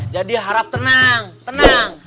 jadi harap tenang tenang